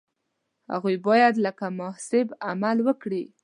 هغوی باید لکه محاسب عمل وکړي.